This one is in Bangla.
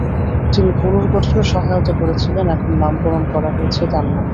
তিনি পুনর্গঠনে সহায়তা করেছিলেন, এখন নামকরণ করা হয়েছে তার নামে।